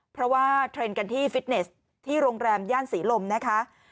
เพราะว่าเทรนด์กันที่ฟิตเนสที่โรงแรมย่านศรีลมนะคะ